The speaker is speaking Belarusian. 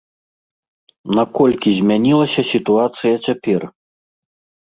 Наколькі змянілася сітуацыя цяпер?